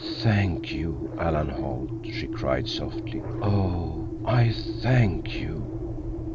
"Thank you, Alan Holt," she cried softly, "_Oh, I thank you!